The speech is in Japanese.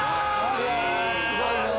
すごいね。